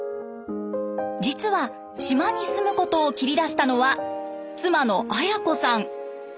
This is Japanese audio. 実は島に住むことを切り出したのは妻の綾子さん。